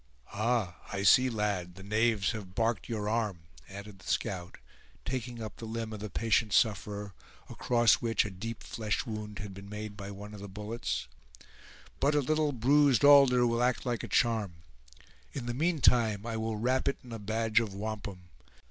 "Ah! I see, lad, the knaves have barked your arm!" added the scout, taking up the limb of the patient sufferer, across which a deep flesh wound had been made by one of the bullets; "but a little bruised alder will act like a charm. In the meantime I will wrap it in a badge of wampum!